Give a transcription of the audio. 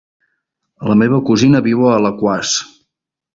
La meva cosina viu a Alaquàs.